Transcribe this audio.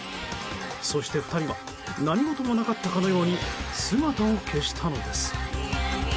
そして２人は何事もなかったかのように姿を消したのです。